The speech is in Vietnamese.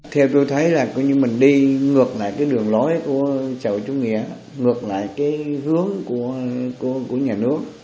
theo tôi thấy là mình đi ngược lại cái đường lối của cháu trung nghĩa ngược lại cái hướng của nhà nước